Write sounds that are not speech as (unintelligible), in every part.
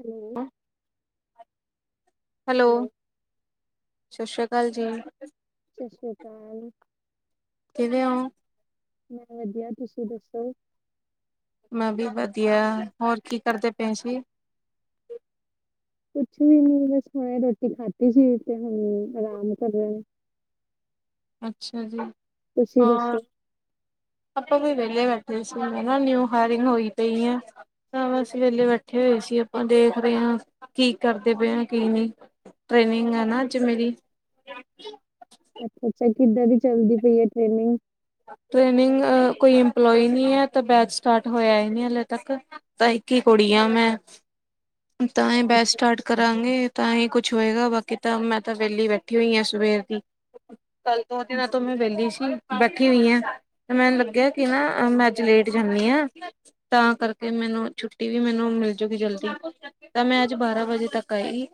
Hello (unintelligible) hello ਸਤਿ ਸ੍ਰੀ ਅਕਾਲ ਜੀ। ਸਤਿ ਸ਼੍ਰੀ ਅਕਾਲ। ਕਿਦੇ ਹੋ (unintelligible) ਮੈਂ ਵਧੀਆ ਤੁਸੀਂ ਦੱਸੋ। ਮੈਂ ਵੀ ਵਧੀਆ ਹੋਰ ਕੀ ਕਰਦੇ ਪਏ ਸੀ। ਕੁੱਛ ਵੀ ਨੀ ਬਸ ਹੁਣੇ ਰੋਟੀ ਖਾਧੀ ਸੀ ਤੇ ਹੁਣ ਆਰਾਮ ਕਰ ਰਹੇ ਹਾਂ। ਅੱਛਾ ਜੀ ਤੁਸੀਂ ਹੋਰ। ਦੱਸੋ? ਆਪਾਂ ਵੀ ਵਿਹਲੇ ਬੈਠੇ ਸੀ ਹਨ ਨਿਊ ਹਾਇਰਿੰਗ ਹੋਈ ਪਈ ਆ। ਬਸ ਵੇਲੇ ਬੈਠੇ ਹੋਏ ਸੀ ਆਪਾਂ ਦੇਖ ਰਹੇ ਹਾਂ ਕੀ ਕਰਦੇ ਪਏ ਹਾਂ ਕੀ ਨਹੀਂ। ਟ੍ਰੇਨਿੰਗ ਹੈ ਨਾ ਅੱਜ ਮੇਰੀ। ਅੱਛਾ-ਅੱਛਾ ਕਿੱਦਾਂ ਦੀ ਚੱਲਦੀ ਪਈ ਹੈ ਟ੍ਰੇਨਿੰਗ। ਟ੍ਰਨਿੰਗ ਕੋਈ ਇਂਪਲੋਈ ਨਹੀਂ ਹੈ ਬੈਚ ਸਟਾਰਟ ਹੋਇਆ ਹੀ ਨਹੀਂ ਹਾਲੇ ਤੱਕ। ਤਾਂ ਇੱਕ ਹੀ ਕੁੜੀ ਆ ਮੈਂ ਤਾਂ ਇਹ ਬੈਚ ਅੱਛਾ ਸਟਾਰਟ। ਕਰਾਂਗੇ ਤਾਂ ਹੀ ਕੁੱਛ ਹੋਏਗਾ ਬਾਕੀ ਤਾਂ ਮੈਂ ਤਾਂ ਵਿਹਲੀ ਬੈਠੀ ਹੋਈ ਹਾਂ ਸਵੇਰ ਦੀ। ਕੱਲ ਦੋ ਦਿਨਾਂ ਤੋਂ ਮੈਂ ਵਿਹਲੀ ਸੀ ਬੈਠੀ ਹੋਈ ਹਾਂ। ਤੇ ਮੈਨੂੰ ਲੱਗਿਆ ਕਿ ਨਾ ਮੈਂ ਅੱਜ ਲੇਟ ਜਾਂਦੀ ਆਂ ਤਾਂ ਕਰਕੇ ਮੈਨੂੰ ਛੁੱਟੀ ਵੀ ਮੈਨੂੰ ਮਿਲਜੂਗੀ ਜਲਦੀ ਤਾਂ ਮੈਂ ਅੱਜ ਬਾਰਾਂ ਵਜੇ ਤੱਕ ਆਈ।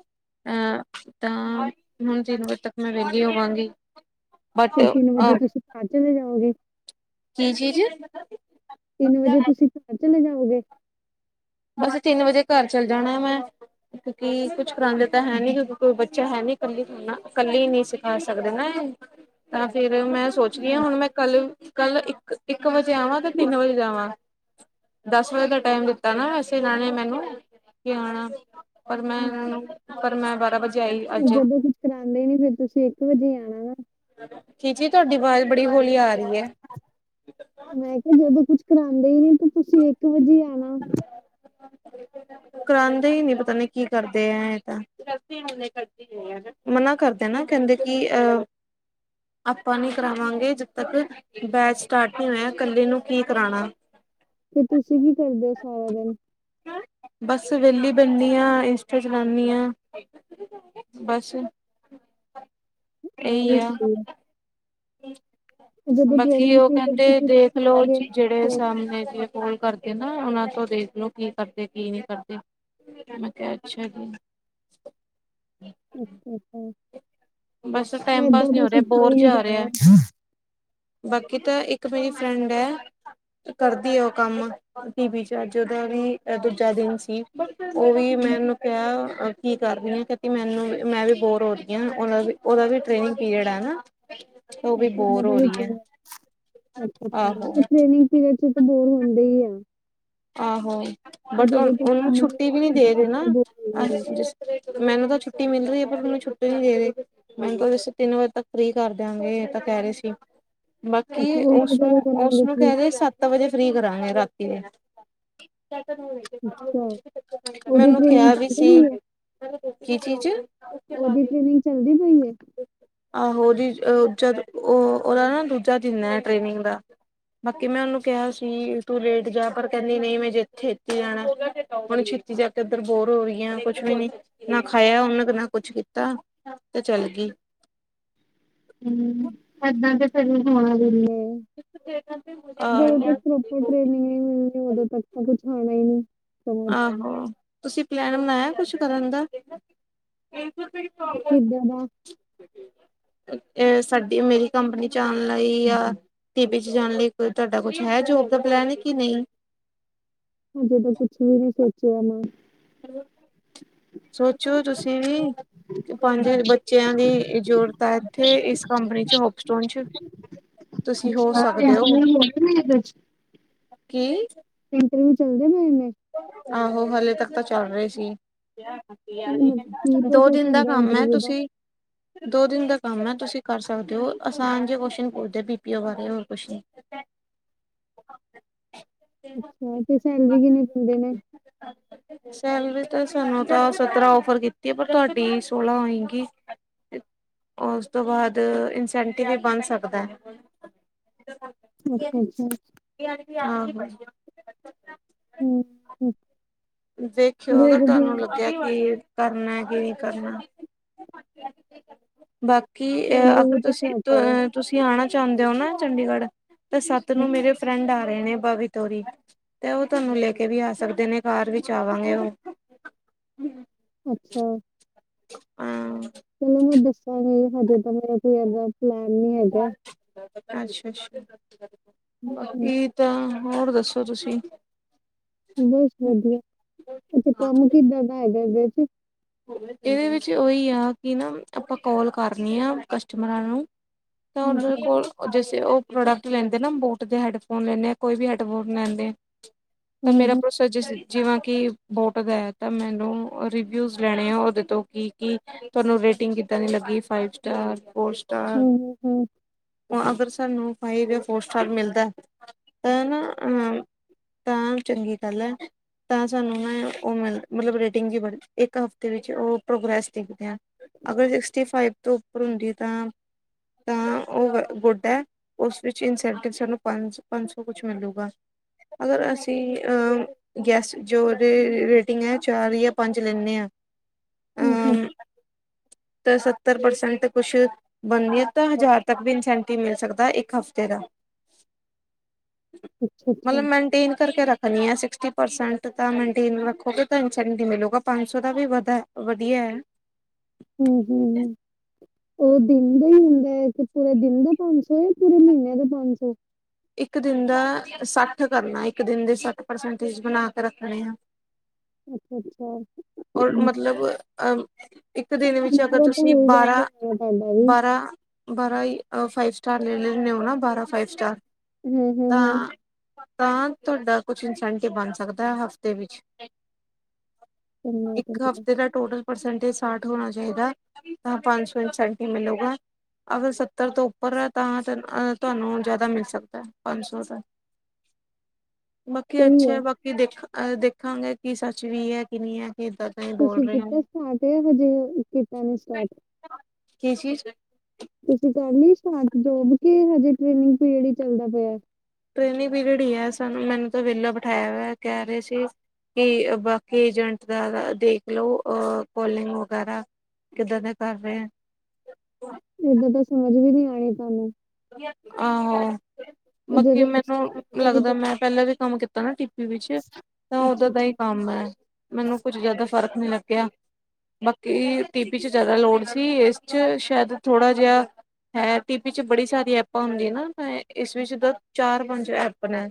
ਅਹ ਤਾਂ ਹੁਣ ਤਿੰਨ ਵਜੇ ਤੱਕ ਮੈਂ ਵਿਹਲੀ ਹੋ ਜਾਵਾਂਗੀ। ਫਿਰ ਤਿੰਨ ਵਜੇ ਤੁਸੀਂ ਚਲੇ ਜਾਓਗੇ। ਕੀ ਚੀਜ਼। ਤਿੰਨ ਵਜੇ ਤੁਸੀਂ ਘਰ ਚਲੇ ਜਾਉਗੇ। ਬਸ ਤਿੰਨ ਵਜੇ ਘਰ ਚੱਲ ਜਾਣਾ ਮੈਂ। ਕਿਉਂਕਿ ਕੁੱਛ ਕਰਾਉਦੇ ਤਾਂ ਹੈ ਨੀ ਕਿਉਂਕਿ ਕੋਈ ਬੱਚਾ ਹੈ ਨੀ ਕੱਲੀ, ਕੱਲੀ ਨਹੀਂ ਸਿਖਾ ਸਕਦੇ ਨਾ। ਤਾਂ ਫਿਰ ਮੈਂ ਸੋਚਦੀ ਹਾਂ ਹੁਣ ਮੈਂ। ਕੱਲ-ਕੱਲ ਇੱਕ-ਇੱਕ ਵਜੇ ਆਵਾਂ ਤੇ ਤਿੰਨ ਵਜੇ ਜਾਵਾਂ। ਦਸ ਵਜੇ ਦਾ ਟਾਈਮ ਦਿੱਤਾ ਨਾ। ਜਿਥੇ ਜਾਣਾ ਮੈਨੂੰ ਕਿ ਪਰ ਮੈਂ ਹਮ, ਇਹ ਨੂੰ ਪਰ ਮੈਂ ਬਾਰਾਂ ਵਜੇ ਆਈ ਅੱਜ ਜਦੋਂ ਕੁੱਛ ਕਰਾਉਂਦੇ ਨੀ ਫਿਰ ਤੁਸੀਂ ਇੱਕ ਵਜੇ ਆਉਣਾ। ਕੀ ਚੀਜ਼ ਤੁਹਾਡੀ ਆਵਾਜ਼ ਬੜੀ ਹੋਲੀ ਆ ਰਹੀ ਹੈ। ਮੈਂ ਕਿਹਾ ਜਦੋਂ ਕੁੱਛ ਕਰਾਉਂਦੇ ਹੀ ਨਹੀਂ ਤਾਂ ਤੁਸੀਂ ਇੱਕ ਵਜੇ ਆਣਾ। (unintelligible) ਕਰਾਂਦੇ ਹੀ ਨੀ ਪਤਾ ਨੀ ਕੀ ਕਰਦੇ ਆ ਇਹ ਤਾਂ। ਮਨਾ ਕਰਦੇ ਨਾ ਕਹਿੰਦੇ ਕਿ ਅਹ ਆਪਾਂ ਨੀ ਕਰਾਵਾਂਗੇ ਜਦ ਤੱਕ ਬੈਚ ਸਟਾਰਟ ਨਹੀਂ ਹੋਇਆ ਕੱਲੀ ਨੂੰ ਕੀ ਕਰਾਉਣਾ। ਤੇ ਤੁਸੀਂ ਕੀ ਕਰਦੇ ਹੋ ਸਾਰਾ ਦਿਨ? ਬਸ ਵੈਹਲੀ ਬਹਿਨੀ ਹਾਂ। ਇੰਸਟਾ ਚਲਾਉਣੀ ਹਾਂ। ਬੱਸ। ਖਿਆਲ ਰੱਖਦੇ ਆ। ਬਾਕੀ ਟ੍ਰੇਨਿੰਗ ਉਹ ਪੀਰੀਅਡ ਚ ਕਹਿੰਦੇ ਕੁਛ ਦੇਖਲੋ ਖਾਓਗੇ ਨੀ ਤਾਂ ਜਿਹੜੇ ਫਿਰ ਸਾਹਮਣੇ ਕਾਲ ਕਰਦੇ ਨਾ ਉਹਨਾਂ ਤੋਂ ਦੇਖਲੋ ਕੀ ਕਰਦੇ ਕੀ ਨਹੀਂ ਕਰਦੇ ਮੈਂ ਕਿਹਾ ਅੱਛਾ ਜੀ। ਅੱਛਾ ਅੱਛਾ ਬਸ ਟਾਈਮ ਏਦਾਂ ਪਾਸ ਨਹੀਂ ਬਸ ਹੋ ਰਿਹਾ ਉੱਥੇ ਬੋਰ ਹੀ ਨਹੀਂ ਜਾ ਹੋ ਜਾਣਾ ਰਿਹਾ। ਬਾਕੀ ਤਾਂ ਇੱਕ ਮੇਰੀ ਫਰੈਂਡ ਹੈ। ਕਰਦੀ ਹੈ ਉਹ ਕੰਮ ਟੀ ਵੀ 'ਚ ਅੱਜ ਦਾ ਵੀ ਦੂਜਾ ਦਿਨ ਸੀ। ਉਹ ਵੀ ਮੈਂ ਮੈਨੂੰ ਕਿਹਾ ਕੀ ਕਰਦੀ ਹ ਕ ਮੈਨੂੰ ਵੀ ਮੈਂ ਵੀ ਬੋਰ ਹੋ ਰਹੀ ਹਾਂ ਉਹਦਾ ਵੀ ਟਨਿੰਗ ਪੀਰੀਅਡ ਹੈ ਨਾ। ਉਹ ਵੀ ਬੋਰ ਹੋ ਰਹੀ ਹੈ ਇਹ ਆਹੋ ਟਨਿੰਗ ਪੀਰੀਅਡ ਚ' ਬੋਰ ਹੁੰਦੇ ਹੀ ਆ। ਆਹੋ ਉਹ ਬਟ ਜਦੋਂ ਤੱਕ ਉਹਨੂੰ ਕੰਮ ਛੁੱਟੀ ਵੀ ਆਉਣਾ ਨਹੀਂ ਉਦੋਂ ਦੇ ਰਹੇ ਤੱਕ ਨਾ ਤਾਂ ਬੋਰ ਹੋਣਾ ਹੀ ਆ ਮੈਨੂੰ ਤਾਂ ਛੁੱਟੀ ਮਿਲ ਰਹੀ ਹੈ ਪਰ ਮੈਨੂੰ ਛੁੱਟੀ ਨਹੀਂ ਦੇ ਰਹੀ। ਮੈਨੂੰ ਤੁਸੀਂ ਤਿੰਨ ਵਜੇ ਤੱਕ ਫ੍ਰੀ ਕਰ ਦਿਆਂਗੇ ਇਹ ਤਾਂ ਕਹਿ ਰਹੇ ਸੀ। ਅੱਛਾ ਬਾਕੀ ਉਹਨੂੰ ਕਦੋਂ ਕਰਾਂਗੇ ਉਸਨੂੰ-ਉਸਨੂੰ ਫਿਰ ਕਹਿ ਰਹੇ ਸੱਤ ਵਜੇ ਫ੍ਰਰੀ ਕਰਾਂਗੇ ਰਾਤੀ ਦੇ। (unintelligible) ਅੱਛਾ ਉਹਦੀ ਮੈਨੂੰ ਕਿਹਾ ਟ੍ਰੇਨਿੰਗ ਵੀ ਸੀ ਚਲਦੀ ਹੈ। ਕੀ ਚੀਜ਼? ਉਹਦੀ ਟ੍ਰੇਨਿੰਗ ਚੱਲਦੀ ਪਈ ਹੈ। ਆਹੋ ਉਹਦੀ ਉਹ ਉਹਦਾ ਨਾ ਦੂਜਾ ਦਿਨ ਹੈ ਟ੍ਰੇਨਿੰਗ ਦਾ। ਬਾਕੀ ਮੈਂ ਉਹਨੂੰ ਕਿਹਾ ਸੀ ਤੂੰ ਲੇਟ ਜਾ ਪਰ ਕਹਿੰਦੀ ਨਹੀਂ ਮੈਂ ਛੇਤੀ ਜਾਣਾ ਹੁਣ ਛੇਤੀ ਜਾਕੇ ਉੱਧਰ ਬੋਰ ਹੋ ਗਈ ਆ ਕੁੱਛ ਵੀ ਨੀ ਨਾ ਖਾਇਆ ਉਹਨਾਂ ਨਾ ਕੁੱਛ ਕੀਤਾ। ਤੇ ਚੱਲ ਗਈ। ਹੂ, ਏਦਾਂ ਤੇ ਫਿਰ ਹੋਣਾ ਦਿੰਦੇ। ਆਹੋ। ਜਦੋਂਸੀ ਜਦੋਂ ਫੇਰ, ਹੋਰ ਟ੍ਰੇਨਿੰਗ ਨਹੀਂ ਮਿਲਣੀ ਉਦੋਂ ਤੱਕ ਤਾਂ ਕੁੱਛ ਆਉਣਾ ਹੀ ਨਹੀਂ। ਸਮਝ ਆਹੋ! ਤੁਸੀਂ ਪਲੈਨ ਬਣਾਇਆ ਕੁੱਛ ਕਰਨ ਦਾ। ਕਿੱਦਾਂ ਦਾ। ਇਹ ਸਾਡੀ ਮੇਰੀ ਕੰਪਨੀ ਚ' ਆਣ ਲਈ ਆ। ਟੀ ਵੀ ਚ' ਜਾਣ ਲਈ ਕੋਈ ਤੁਹਾਡਾ ਕੁੱਛ ਹੈ ਜੋਬ ਦਾ ਪਲਾਨ ਹੈ ਕਿ ਨਹੀਂ। ਹਜੇ ਤਾਂ ਕੁੱਛ ਵੀ ਨੀ ਸੋਚਿਆ ਮੈਂ। ਹੈਲੋ, ਸੋਚੋ ਤੁਸੀਂ ਵੀ। ਪੰਜ ਬੱਚਿਆਂ ਦੀ ਜ਼ਰੂਰਤ ਹੈ ਇੱਥੇ ਇਸ ਕੰਪਨੀ ਚੱ ਹੋਪਸਟੋਨ ਚ'। ਤੁਸੀਂ ਹੋ ਸਕਦੇ ਹੋ। ਇੰਟਰਵਿਊ ਗਏ ਨੇ ਇਹਦੇ ਚ? ਕੀ। ਇੰਟਰਵਿਊ ਚੱਲਦੇ ਪਏ ਨੇ। ਆਹੋ ਹਲੇੇ ਤੱਕ ਤਾਂ ਚੱਲ ਰਹੇ ਸੀ ਮਤਲਬ ਕੀ ਦੋ ਪ੍ਰੋਸੈਸ ਦਿਨ ਦਾ ਹੁੰਦਾ ਕੰਮ ਐ ਇੰਟਰਵਿਊ ਦਾ ਤੁਸੀਂ ਦੋ ਦਿਨ ਦਾ ਕੰਮ ਐ ਤੁਸੀਂ ਕਰ ਸਕਦੇ ਔ ਆਸਾਨ ਜਿਹੇ ਕੁਸ਼ਚਨ ਪੁੱਛਦੇ ਬੀ ਪੀ ਓ ਬਾਰੇ ਹੋਰ ਕੁੱਛ ਨਹੀਂ (unintelligible) ਅੱਛਾ ਤੇ ਸੈਲਰੀ ਕਿੰਨੀ ਦਿੰਦੇ ਨੇ ੱ (unintelligible) ਸੈਲਰੀ ਤਾਂ ਸਾਨੂੰ ਤਾਂ ਸਤਰਾਂ ਓਫਰ ਕੀਤੀ ਪਰ ਤੁਹਾਡੀ ਸੋਲਾਂ ਹੋਏਗੀ ਉਸ ਤੋਂ ਬਾਅਦ ਇਨਸੈਂਟਿਵ ਵੀ ਬਣ ਸਕਦਾ ਐ (unintelligible) ਅੱਛਾ ਅੱਛਾ ਆਹੋ ਹਮ ਹਮ ਦੇਖਿਓ ਅਗਰ ਤੁਹਾਨੂੰ ਕੀ ਕਰਨਾ, ਕੀ ਨਹੀਂ ਕਰਨਾ ਬਾਕੀ ਅ ਸੈਲਰੀ ਅਗਰ ਵੀ ਤੇ ਤੁਸੀਂ ਘੱਟ ਹੈ ਤੁਸੀਂ ਆਣਾ ਚਾਹੁੰਦੇ ਹੋ ਨਾ ਚੰਡੀਗੜ੍ਹ ਤੇ ਸੱਤ ਨੂੰ ਹੂੰ, ਮੇਰੇ ਫਰੈਂਡ ਆ ਰਹੇ ਨੇ ਬਵਿਤ ਹੋਰੀ ਤੇ ਉਹ ਤੁਹਾਨੂੰ ਲੈ ਕੇ ਵੀ ਆ ਸਕਦੇ ਨੇ ਕਾਰ ਵਿੱਚ ਆਵਾਂਗੇ ਉਹ ਅੱਛਾ ਹਮ ਚਲੋ ਮੈਂ ਦੱਸਾਂਗੀ। ਹਜੇ ਤਾਂ ਮੇਰਾ ਕੋਈ ਏਦਾ ਪਲੈਨ ਨੀ ਹੈਗਾ ਅੱਛਾ ਅੱਛਾ ਹੂੰ, ਬਾਕੀ ਤਾਂ ਹੋਰ ਦੱਸੋ ਤੁਸੀਂ ਬਸ ਵਦੀਆ। ਤੇ ਕੰਮ ਕਿੱਦਾਂ ਦਾ ਹੈਗਾ ਇਹਦੇ ਚ ਇਹਦੇ ਵਿੱਚ ਉਹੀ ਆ। ਕਿ ਨਾ ਆਪਾਂ ਕੋਲ ਕਰਨੀ ਆ ਕਸਟਮਰਾਂ ਨੂੰ ਹੂੰ ਤੁਹਾਡੇ ਹੂੰ ਕੋਲ ਜਸੇ ਉਹ ਪ੍ਰੋਡਕਟ ਲੈਂਦੇ ਨਾ ਬੋਟ ਦੇ ਹੈਡਫੋਨ ਲੈਂਨੇ ਆ ਕੋਈ ਵੀ ਹੈਡਫੋਨ ਲੈਂਦੇ ਆਂ ਤਾਂ ਹੂੰ ਮੇਰਾ ਹੂੰ ਪ੍ਰੋਸੇਜਿਸ ਜਿਵੇਂ ਕਿ ਬੋਟ ਦਾ ਹੈ। ਤਾਂ ਮੈਨੂੰ ਰਿਵਿਊ ਲੈਣੇ ਆ ਉਹਦੇ ਤੋਂ। ਕੀ ਕੀ ਤੁਹਾਨੂੰ ਰੇਟਿੰਗ ਕਿੱਦਾਂ ਦੀ ਲੱਗੀ ਫਾਈਵ ਸਟਾਰ ਫੋਰ ਹੂੰ ਅਗਰ ਸਾਨੂੰ ਫਾਈਵ ਜਾ ਫੋਰ ਸਟਾਰ ਮਿਲਦਾ ਤੇ ਨਾ ਅੰਹ ਤਾਂ ਚੰਗੀ ਗੱਲ ਏ ਤਾਂ ਸਾਨੂੰ ਮੈਂ ਉਹ ਮਿਲ ਮਤਲਬ ਰੇਟਿੰਗ ਇੱਕ ਹਫ਼ਤੇ ਵਿੱਚ ਉਹ ਪ੍ਰੋਗਰੈਸ ਦਿਖਦੇ ਆ ਅਗਰ ਸਿਕਸਟੀ ਫਾਈਵ ਤੋਂ ਉੱਪਰ ਹੁੰਦੀ ਏ ਤਾਂ ਤਾਂ ਉਹ ਗੁਡ ਹੈ ਉਸ ਵਿੱਚ ਇਨਸੈਂਟਿਵ ਸਾਨੂੰ ਪੰਜ-ਪੰਜ ਸੌ ਕੁਛ ਮਿਲੂਗਾ ਅਗਰ ਅਸੀਂ ਅੰ ਗੈਸ ਜੋ ਰੇਟਿੰਗ ਹੈ ਚਾਰ ਜਾਂ ਪੰਜ ਲੈਂਨੇ ਆਂ ਹੂੰ ਹੂੰ ਅਮ ਤੇ ਸੱਤਰ ਪਰਸੈਂਟ ਕੁਛ ਬਣਨੀ ਐ ਤਾਂ ਹਜ਼ਾਰ ਤੱਕ ਵੀ ਇਨਸੈਂਟਿਵ ਮਿਲ ਸਕਦਾ ਇੱਕ ਹਫ਼ਤੇ ਦਾ ਅੱਛਾ ਅੱਛਾ ਮਤਲਬ ਮੇਨਟੇਨ ਕਰਕੇ ਰੱਖ ਸਿਕਸਟੀ ਪਰਸੈਂਟ ਤਾਂ ਮੇਨਟੇਨ ਰੱਖੋਗੇ ਤਾਂ ਇਨਸੈਂਟ ਮਿਲੂਗਾ ਪੰਜ ਸੌ ਦਾ ਵੀ ਵਧਾ ਵਦੀਆ ਹੈ ਹੰ ਹੰ ਹੰ ਉਹ ਦਿਨ ਦਾ ਹੀ ਹੁੰਦਾ ਹੈ। ਪੂਰਾ ਦਿਨ ਦਾ ਪੰਜ ਸੌ ਜਾਂ ਪੂਰੇ ਮਹੀਨਿਆਂ ਦੇ ਪੰਜ ਸੌ ਇੱਕ ਦਿਨ ਦਾ ਸੱਠ ਕਰਨਾ ਹੈ, ਇੱਕ ਦਿਨ ਦੇ ਸੱਠ ਪਰਸੈਂਟੇਜ ਬਣਾ ਕੇ ਰੱਖਣੇ ਆ ਅੱਛਾ ਅੱਛਾ (inaudible) ਔਰ ਹੂੰ, ਮਤਲਬ ਅਹ ਇੱਕ ਦਿਨ ਵਿੱਚ ਇੰਨਾ ਅਗਰ ਕੁ ਤਾਂ ਤੁਸੀਂ ਬਾਰਾਂ ਹੋ ਪੈਂਦਾ ਜੀ ਬਰਾਂ ਈ ਫਾਈਵ ਸਟਾਰ ਲੇ ਲੈਣੇ ਹੋ ਨਾ ਬਾਰਾਂ ਫਾਈਵ ਸਟਾਰ ਹੂੰ, ਹੂੰ, ਹੂੰ ਤਾਂ। ਤਾਂ ਤੁਹਾਡਾ ਕੁਛ ਇਨਸੈਂਟਿਵ ਬਣ ਸਕਦਾ ਹੈ। ਹਫ਼ਤੇ ਵਿੱਚ। ਕਰਨਾ ਇੱਕ ਕਰਨਾ ਹਫ਼ਤੇ ਦਾ। ਟੋਟਲ ਪਰਸੈਂਟੇ ਸਾਠ ਹੋਣਾ ਚਾਈਦਾ ਤਾਂ ਪੰਜ ਸੌ ਇਨਸੈਂਟ ਮਿਲੂਗਾ। ਅਗਰ ਸੱਤਰ ਤੋਂ ਉੱਪਰ ਹੈ। ਤਾਂ ਹਰ ਅ ਤੁਹਾਨੂੰ ਜਾਦਾ ਮਿਲ ਸਕਦੈ। ਪੰਜ ਸੌ ਦਾ। ਬਾਕੀ ਸਹੀ ਅੱਛੈ ਹੈ। ਬਾਕੀ ਕਿ ਦੇਖਾਂ ਅ ਦੇਖਾਂਗੇ ਕਿ ਸੱਚ ਵੀ ਐ ਕਿ ਨੀ ਐ ਇਦਾਂ। ਤੁਸੀਂ ਕੀਤਾ ਸਟਾਰਟ ਯਾ। ਹਜੇ ਕੀਤਾ ਨੀਂ ਸਟਾਰਟ। ਕੀ ਚੀਜ਼ ਤੁਸੀਂ ਕ ਲਈ ਸਟਾਰਟ ਜੋਬ। ਕੇ ਹਜੇ ਟ੍ਰੇਨਿੰਗ ਪੀਰੀਅਡ ਹੀ ਚੱਲਦਾ ਪਿਆ। ਟ੍ਰੇਨਿੰਗ ਪੀਰੀਅਡ ਈ ਐ। ਸਾਨੂੰ ਮੈਨੂੰ ਤਾਂ ਵੇਲਾ ਬਿਠਾਇਆ ਹੌਯਾ ਕੈ ਰੇ ਸੀ। ਕਿ ਬਾਕੀ ਏਜੰਟ ਦਾ ਦੇਖ ਲੋ ਕੋਲਿੰਗ ਵਗੈਰਾ। ਕਿੱਦਾਂ ਦੇ ਕਰ ਰੇ ਐ। ਏਦਾਂ ਤਾਂ ਸਮਝ ਵੀ ਨੀ ਔਨੀ ਤੁਆਨੂੰ। ਆਹੋ। ਉਹ ਬਾਕੀ ਜਦੋਂ ਤੁਸੀਂ ਮੈਨੂੰ ਕਰਦੇ ਵੀ ਲੱਗਦੈ ਤਾਂ ਮੈਂ ਪੈਲਾਂ ਵੀ ਕੰਮ ਕੀਤਾ ਨਾ ਟੀਪੀ ਵਿੱਚ। ਤਾਂ ਔਦਾ ਅੱਛਾ ਦਾ ਅੱਛਾ ਈ ਕੰਮ ਐ। ਮੈਨੂੰ ਕੁੱਛ ਜਾਦਾ ਫ਼ਰਕ ਨੀ ਲੱਗਿਆ। ਬਾੱਕੀ ਟੀਪੀ ਚ ਜਾਦਾ ਲੋੜ ਸੀ ਇਸ ਚ ਸ਼ੈਦ ਥੋੜਾ ਜਾ। ਹੈ (unintelligible) ਟੀ ਪੀ ਚ ਬੜੀ ਸਾਰੀ ਐਪਾਂ ਹੁੰਦੀਆਂ ਨਾ, ਇਸ ਵਿੱਚ ਤਾਂ ਚਾਰ, ਪੰਜ ਐਪ ਨੇ।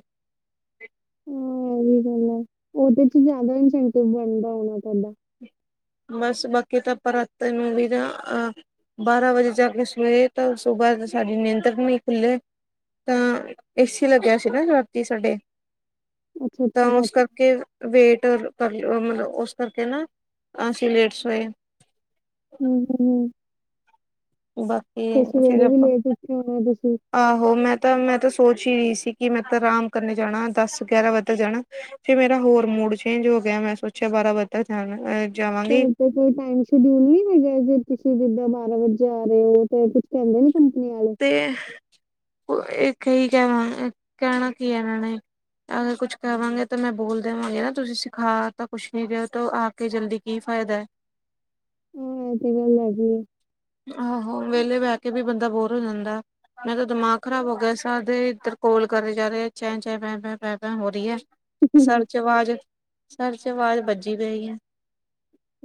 ਹਮ ਔਹੀ ਗੱਲ ਐ ਔਦੇ ਚ ਜ਼ਾਦਾ ਇਨਸੈਂਟਿਵ ਬੰਦ ਹੋਣਾ ਪੈਂਦਾ। ਬਸ, ਬਾਕੀ ਤਾਂ ਪਰਾਤੇ ਨੂੰ ਵੀ ਨਾ। ਅ ਬਾਰਾਂ ਵਜੇ ਜਾ ਕੇ, ਸਵੇਰੇ ਤਾਂ ਸੁਬਾੱ ਸਾਡੀ ਨਿੰਦਰ ਨੀ ਖੁੱਲੀ। ਤਾਂ ਏਸੀ ਲੱਗਿਆ ਸੀ ਨਾ, ਰਾਤੀ ਸਾਡੇ। ਅੱਛਾ ਤਾਂ ਅੱਛਾ ਔਸ ਰਾਤੀ ਕਰਕੇ, ਵੇਟ ਕਰ ਲ ਮਤਲਬ ਔਸ ਕਰਕੇ ਨਾ। ਅਸੀ, ਲੇਟ ਸੋਏ। ਹਮ-ਹਮ, ਬਾਕੀ ਫੇਰ ਫਿਰ ਸਵੇਰੇ ਵੀ ਆਪਾਂ ਲੇਟ ਉਠੇ ਹੋਣੇ ਔ ਤੁਸੀਂ। ਆਹੋ, ਮੈਂ ਤਾਂ, ਮੈਂ ਤਾਂ ਸੋਚ ਹੀ ਰੀ ਸੀ, ਕਿ ਮੈਂ ਤਾਂ ਰਾਮ ਕਰਨੇ ਜਾਣਾ। ਦਸ-ਗਿਆਰਾਂ ਵਜੇ ਜਾਣਾ। ਫੇਰ, ਮੇਰਾ ਹੋਰ ਮੂਡ ਚੇਂਜ ਹੋ ਗਿਆ, ਮੈਂ ਸੋਚਿਆ ਬਾਰਾਂ ਵਜੇ ਤੱਕ ਜਾਨਾ ਜਾਵਾਂਗੀ। ਘਰ ਤੇ ਕੋਈ ਟਾਈਮ ਸ਼ਡਿਊਲ ਨੀ ਹੈਗਾ, ਜੇ ਤੁਸੀਂ ਜਿੱਦਾਂ ਬਾਰਾਂ ਵਜੇ ਆ ਰੇ ਔ, ਤੇ ਕੁਛ ਕੈਂਦੇ ਨੀ ਕੰਪਨੀ ਆਲੇ। ਤੇ ਹਹ, ਪ ਅ ਕੀ ਕੈਨਾ, ਕੈਣਾ ਕੀ ਏ ਐਨਾਂ ਨੇ। ਅਗਰ ਕੁਛ ਕਵਾਂਗੇ, ਤੇ ਮੈਂ ਬੋਲ ਦੇਵਾਂਗੀ। ਨਾ ਤੁਸੀਂ ਸਿਖਾ ਤਾਂ ਕੁਛ ਨੀ ਰੇ ਦੋ ਆਪ ਕੇ ਜਲਦੀ ਕੀ ਫ਼ਾਇਦੈ। ਹਮ, ਏ ਤੇ ਗੱਲ ਹੈਗੀ ਏ। ਆਹੋ, ਵੇਲੇ ਬੈ ਕੇ ਵੀ, ਬੰਦਾ ਬੋਰ ਹੋ ਜਾਂਦਾ ਐ। ਮੇ ਤਾਂ ਦਿਮਾਗ ਖਰਾਬ ਹੋ ਗਿਆ, ਸਾਦੇ ਇੱਧਰ ਕੋਲ ਕਰੀ ਜਾ ਰੇ ਚ-ਚ, ਪ-ਪ-ਪ-ਪ ਹੋ ਰੀ ਐ ਹੈ ਸਰ ਚ ਵਾਜ਼, ਸਰ ਚ ਆਵਾਜ਼ ਵੱਜੀ ਪਈ।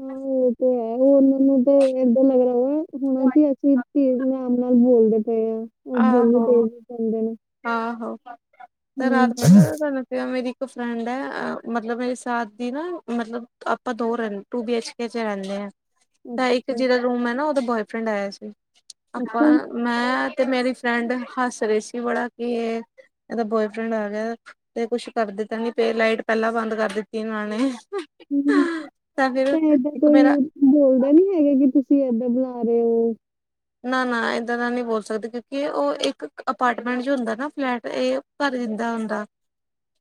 ਹਾਂ ਔ ਤੇ ਹੈ, ਔਨਾ ਨੁ ਤਾਂ ਏਦਾਂ ਲੱਗਦਾ ਅਸੀ ਤੇਜ ਆਰਾਮ ਨਾਲ ਬੋਲਦੇ ਪਏ ਆ। ਉਹ ਬੋਲੀ ਤੇਜ਼ ਹੀ ਕਹਿੰਦੇ ਨੇ ਆਹੋ-ਆਹੋ ਤੇ ਰਾਤ ਹੂੰ ਪਤਾ ਨਾ ਤਾਨੁ ਫੇ ਔ ਮੇਰੀ ਇੱਕ ਫਰੈਂਡ ਐ, ਅ ਮਤਲਬ ਮੇਰੇ ਸਾਥ ਦੀ ਨਾ ਮਤਲਬ, ਆਪਾਂ ਦੋ ਰੈ ਟੂ-ਬੀਐਚ-ਕੇ ਚ ਰੈਂਦੇ ਆਂ। ਅੱਛਾ ਤਾਂ ਇੱਕ ਅੱਛਾ ਜਿਦਾ ਰੂਮ ਹੈ ਨਾ, ਔਦਾ ਬੋਏਫਰੈਂਡ ਆਇਆ ਸੀ, ਆਪਾਂ ਅੱਛਾ ਮੈਂ ਤੇ ਮੇਰੀ ਫਰੈਂਡ ਹੱਸ ਰੇ ਸੀ ਬੜਾ ਕਿ ਏ, ਏੱਦਾ ਬੋਏਫਰੈਂਡ ਆ ਗਿਆ। ਤੇ ਕੁੱਛ ਕਰਦੇ ਤਾੱ ਨੀ ਪੇ, ਲਾਈਟ ਪੈਲਾਂ ਬੰਦ ਕਰ ਦਿੱਤੀ ਇਨਾਂ ਨੇ ਅਹ ਹੁੰ, ਤਾਂ ਏਦਾਂ ਕੋਈ। ਮੇਰਾ ਬੋਲਦੇ ਨੀ ਹੈਗੇ, ਕਿ ਤੁਸੀਂ ਏਦਾਂ ਜਾ ਰੇ ਔ। ਨਾ-ਨਾ, ਏਦਾਂ ਦਾ ਨੀ ਬੋਲ ਸਕਦੇ, ਕਿਉਂਕਿ ਔ ਏਕ ਅਪਾਰਟਮੈਂਟ ਜੋ ਹੁੰਦਾ ਨਾ, ਫਲੈਟ ਏ ਪਰੇ ਦਾ ਹੁੰਦਾ।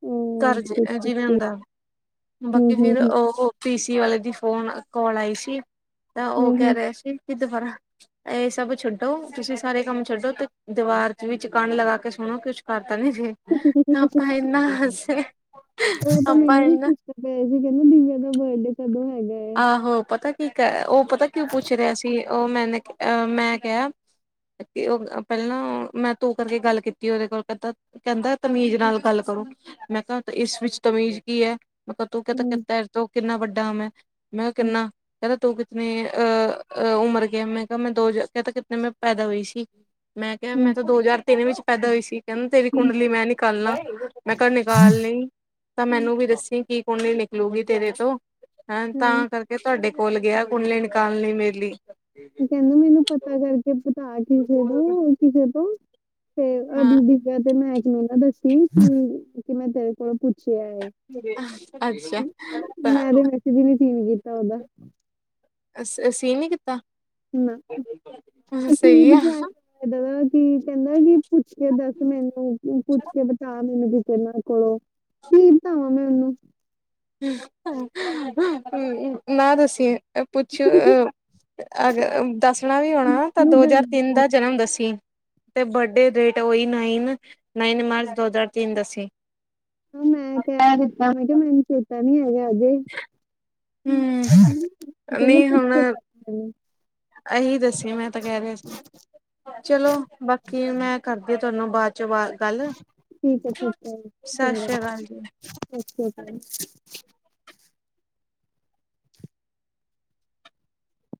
ਅਹ ਕਰ ਜ ਠੀਕ ਠੀਕ ਜਿਵੇਂ ਠੀਕ ਹੁੰਦਾ। ਹੂੰ ਬਾਕੀ ਹੂੰ ਫਿਰ ਹੂੰ ਔਹ ਪੀ ਸੀ, ਵਾਲੇ ਦੀ ਫੋਨ, ਕਾਲ ਆਈ ਸੀ। ਤਾਂ ਔ ਹੂੰ ਕੈ ਹੂੰ ਰਿਆ ਸੀ, ਕਿ ਦਬਾਰਾ ਐ ਸਭ ਛੱਡੋ, ਤੁਸੀਂ ਸਾਰੇ ਕੰਮ ਛੱਡੋ, ਤੇ ਦੀਵਾਰ ਚ' ਵਿੱਚ ਕਣ ਲਗਾ ਕੇ, ਸੁਣੋ ਕੁਛ ਕਰ ਤਾ ਨੀ ਰੇ। ਆਪਾ ਏਨਾ ਹਸੇ, ਆਪਾ ਏਨਾ ਪਏ ਸੀ ਕੈਂਦੇ ਦੀਵਿਆਂ ਦਾ ਬਰਡੇ ਕਦੋਂ ਹੈਗਾ? ਆਹੋ, ਪਤਾ ਕੀ ਕ ਔ ਪਤਾ ਕਿਉ ਪੁੱਛ ਰਿਆ ਸੀ। ਔ ਮੈਨੇ, ਮੈਂ ਕਿਆ। ਔ ਪੈਲਾਂ ਨਾ, ਮੈਂ ਤੂੰ ਕਰਕੇ ਗੱਲ ਕੀਤੀ, ਔਦੇ ਕੋਲ ਕੈਤਾ। ਕੈਂਦਾ ਤਮੀਜ਼ ਨਾਲ ਗੱਲ ਕਰੋ। ਮੈਂ ਕਿਆ ਇਸ ਵਿੱਚ ਤਮੀਜ਼ ਕੀ ਹੈ। ਮੈਂ ਕਿਹਾ, ਤੂੰ ਹੂੰ ਤੇਰੇ ਤੋ ਕਿੰਨਾ ਵੱਡਾ ਮੈਂ, ਮੈਂ ਕਿਹਾ ਹੂੰ ਕਿੰਨਾ, ਕੈਂਦਾ ਤੂੰ ਕਿ ਅਹਹ ਉਮਰ ਗਿਆ, ਮੈਂ ਕਿਆ ਮੈਂ ਦੋ ਕਹਿਤਾ ਕਿਤੇ ਮੈਂ ਪੈਦਾ ਹੋਈ ਸੀ। ਮੈਂ ਕਿਆ, ਮੈਂ ਹੂੰ ਤਾਂ ਦੋ ਹਜ਼ਾਰ ਤਿੰਨ ਵਿੱਚ ਪੈਦਾ ਹੋਈ ਸੀ। ਕੈੰਦਾ ਤੇਰੀ ਹੂੰ ਕੁੰਡਲੀ ਮੈਂ ਨਿਕਾਲਣਾ। ਮੈਂ ਕਿਆ ਨਿਕਾਲ ਲਈ। ਤਾਂ ਹੂੰ, ਮੈਨੂੰ ਵੀ ਦਸੀ ਕਿ ਕੁੰਡੀ ਨਿਕਲੂਗੀ ਤੇਰੇ ਤੋਂ ਹੈਂ। ਤਾਂ ਹੂੰ। ਕਰਕੇ ਤਾਡੇ ਕੋਲ ਗਿਆ, ਕੁੰਡਲੀ ਨਿਕਾਲ ਲੀ ਮੇਰੇ ਲੀ। ਕੈਂਦਾ ਮੈਨੂੰ ਪਤਾ ਕਰਕੇ ਬਤਾ ਕਿਸੇ ਤੋਂ, ਕਿਸੇ ਤੋਂ ਫੇਰ ਹਾਂ (unintelligible) ਦੀ। ਯਾਂ ਤੇ ਮੈੱਕ ਨੁ ਨਾ ਦੱਸੀ, ਕਿ ਮੈਂ ਤੇਰੇ ਕੋਲੋਂ ਪੁੱਛਿਆ ਏ। ਅੱਛਾ ਤਾਂ ਮੈਂ, ਤੇ ਮੈਸੇਜ ਈ ਨੀ ਸੀਨ ਕੀਤਾ ਔਦਾ। ਅ ਸੀਂਨ ਨੀ ਕੀਤਾ। ਨਾ ਸਈ ਆ। ਇਦਾਂ ਦਾ ਕੀ ਕੈਂਦਾ ਕਿ ਪੁੱਛ ਕੇ ਦੱਸ, ਮੈਨੂੰ ਪੁੱਛ ਕੇ ਬਤਾ, ਮੈਨੂੰ ਕਿਤੇ ਨਾਂ ਕੋਲੋਂ। ਕੀ ਬਤਾਵਾਂ ਮੈਂ ਉਹਨੂੰ। ਨਾ ਦਸੀਏਂ। ਪੁੱਛੋ ਅ ਅਗ, ਦੱਸਣਾ ਵੀ ਹੋਣਾ ਤਾਂ ਨੀ ਦੋ ਹਜ਼ਾਰ ਤਿੰਨ ਦੱਸਦੀ ਦਾ ਜਨਮ ਦੱਸੀ। ਤੇ ਬਰਡੇ ਡੇਟ ਉਈ ਨਾਈਨ ਨਾਈਨ ਮਾਰਚ ਦੋ ਹਜ਼ਾਰ ਤਿੰਨ ਦੱਸੀ। ਮੈਂ ਕਹਿ ਦਿੱਤਾ, ਮੈਂ ਕਿਹਾ ਮੈਨੂੰ ਚੇਤਾ ਨੀ ਹੈਗਾ ਅਜੇ। ਹੂ, ਕਹਿੰਦਾ ਨਹੀ ਪੁੱਛ ਹੁਣ ਕੇ ਦੱਸ ਮੈਨੂੰ ਇਹੀ ਦੱਸ ਮੈਂ ਤਾਂ ਕਹਿ ਰਿਹਾ ਸੀ। ਚਲੋ ਬਾਕੀ ਮੈਂ ਕਰਦੀ ਤੁਹਾਨੂੰ ਬਾਅਦ ਚੋ ਅਵਾਜ। ਕੱਲ, ਠੀਕ ਹੈ ਸਤਿ ਸ੍ਰੀ ਅਕਾਲ ਜੀ। ਅੱਛਾ ਜੀ।